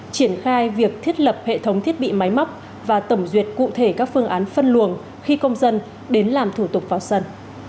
triển khai việc thiết lập hệ thống thiết bị máy móc và tổng duyệt cụ thể các phương án phân luồng khi công dân đến làm thủ tục vào sân